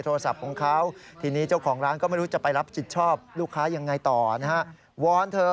เท่านี้เจ้าของร้านก็ไม่รู้จะไปรับสิทธิ์ชอบลูกค้าต่อ